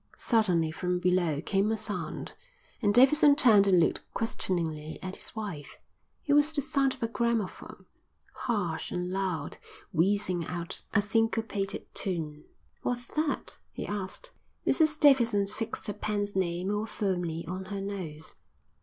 Suddenly from below came a sound, and Davidson turned and looked questioningly at his wife. It was the sound of a gramophone, harsh and loud, wheezing out a syncopated tune. "What's that?" he asked. Mrs Davidson fixed her pince nez more firmly on her nose.